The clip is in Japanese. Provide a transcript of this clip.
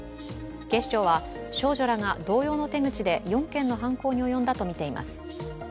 警視庁は少女らが同様の手口で４件の犯行に及んだとみています。